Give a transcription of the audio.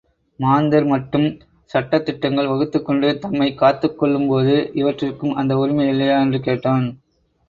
மாந்தர் மட்டும் சட்டதிட்டங்கள் வகுத்துக்கொண்டு தம்மைக் காத்துக் கொள்ளும்போது இவற்றிற்கும் அந்த உரிமை இல்லையா? என்று கேட்டான்.